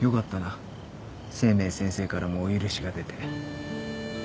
清明先生からもお許しが出て。